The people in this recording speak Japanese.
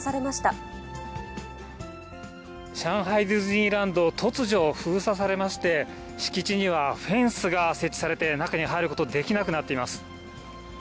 ディズニーランド、突如、封鎖されまして、敷地にはフェンスが設置されて、中に入ることできなくなっています。